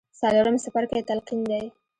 څلورم څپرکی تلقين دی.